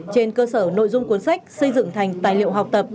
trên cơ sở nội dung cuốn sách xây dựng thành tài liệu học tập